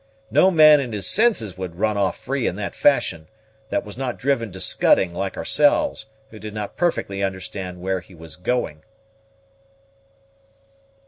No man in his senses would run off free in that fashion, that was not driven to scudding, like ourselves, who did not perfectly understand where he was going."